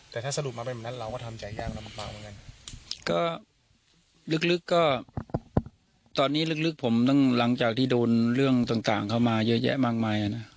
ก็ลึกก็ตอนนี้ลึกผมต้องหลังจากที่โดนเรื่องต่างเข้ามาเยอะแยะมากมายนะ